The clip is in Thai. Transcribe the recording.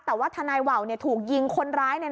แต่ว่าทนายว่าวถูกยิงคนร้าย